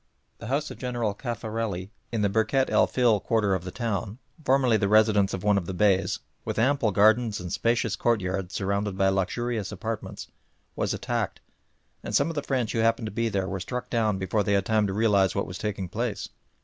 The house of General Cafarelli in the Birket el Fil quarter of the town, formerly the residence of one of the Beys, with ample gardens and spacious courtyards surrounded by luxurious apartments, was attacked, and some of the French who happened to be there were struck down before they had time to realise what was taking place.